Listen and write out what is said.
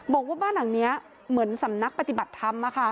บอกว่าบ้านหลังนี้เหมือนสำนักปฏิบัติธรรม